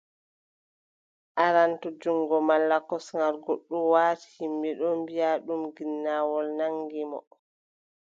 Aran, to junngo malla kosngal goɗɗo waati, yimɓe ɗon mbiʼa ɗum ginnawol nanngi mo.